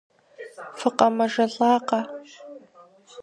ФыкъэмэжэлӀакъэ?